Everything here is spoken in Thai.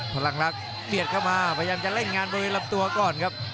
พลังลักษณ์เบียดเข้ามาพยายามจะเล่นงานบริเวณลำตัวก่อนครับ